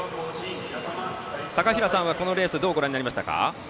高平さんはこのレースをどうご覧になりましたか？